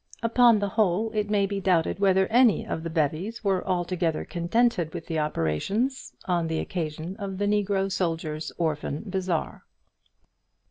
Upon the whole it may be doubted whether any of the bevies were altogether contented with the operations on the occasion of the Negro Soldiers' Orphan Bazaar.